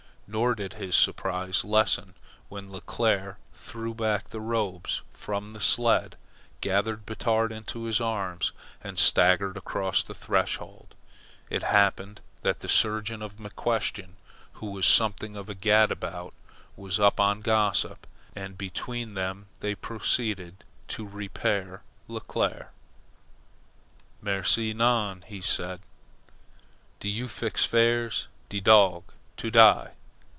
Nor did his surprise lessen when Leclere threw back the robes from the sled, gathered Batard into his arms and staggered across the threshold. It happened that the surgeon of McQuestion, who was something of a gadabout, was up on a gossip, and between them they proceeded to repair Leclere, "Merci, non," said he. "Do you fix firs' de dog. To die?